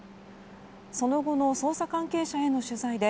その後の捜査関係者への取材で